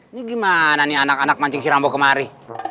ini gimana nih anak anak mancing si rambut kemari